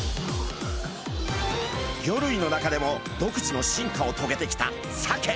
魚類の中でも独自の進化をとげてきたサケ。